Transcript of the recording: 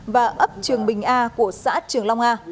và ấp trường bình a của xã trường long a